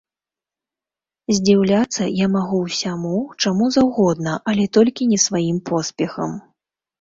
Здзіўляцца я магу ўсяму, чаму заўгодна, але толькі не сваім поспехам.